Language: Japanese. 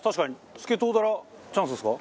スケソウダラチャンスですか？